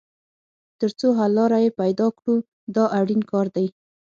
تر څو حل لاره یې پیدا کړو دا اړین کار دی.